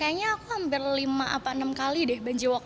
kayaknya aku hampir lima atau enam kali deh bungee workout